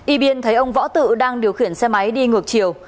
y biên thấy ông võ tự đang điều khiển xe máy đi ngược chiều